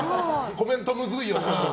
コメント難しいよな。